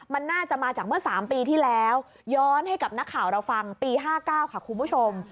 มันน่าจะมาจากเมื่อ๓ปีที่แล้วย้อนให้กับนักข่าวเราฟังปี๕๙ค่ะคุณผู้ชม